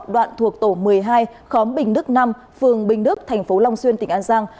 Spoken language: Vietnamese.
đoạn thuộc tổ một mươi hai khóm bình đức năm phường bình đức thành phố long xuyên tỉnh an giang